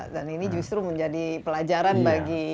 dan ini justru menjadi pelajaran bagi